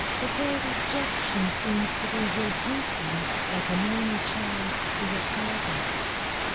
"The great objection seems to be your duty, as an only child, to your father.